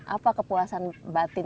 apa kepuasan batin